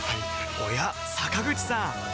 おや坂口さん